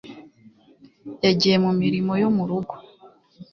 Yagiye mu mirimo yo mu rugo.